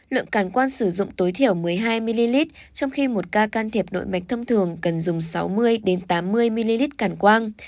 lượng cản quan sử dụng tối thiểu một mươi hai ml trong khi một ca can thiệp nội mạch thông thường cần dùng sáu mươi tám mươi ml cản quang